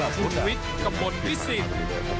ชู้วิทย์กำบลพิสิทธิ์